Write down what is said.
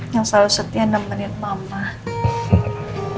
yang selalu setia nemenin mama